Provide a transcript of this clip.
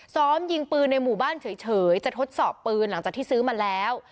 ซ้อมยิงปืนในหมู่บ้านเฉยจะทดสอบปืนหลังจากที่ซื้อมาแล้ว